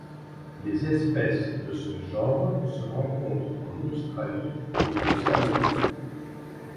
Les espèces de ce genre se rencontrent en Australie et aux Salomon.